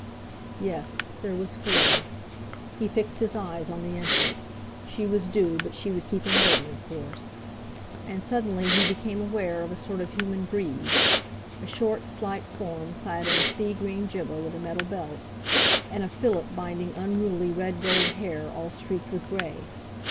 Yes, there was Fleur! He fixed his eyes on the entrance. She was due; but she would keep him waiting, of course! And suddenly he became aware of a sort of human breeze—a short, slight form clad in a sea green djibbah with a metal belt and a fillet binding unruly red gold hair all streaked with grey.